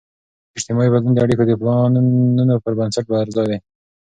اجتماعي بدلون د اړیکو د پلانون پر بنسټ پرځای دی.